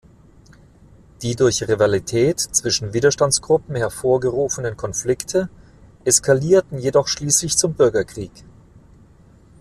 Die durch Rivalität zwischen Widerstandsgruppen hervorgerufenen Konflikte eskalierten jedoch schließlich zum Bürgerkrieg.